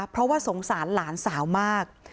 เพราะว่าสงสารหลานสาวมาก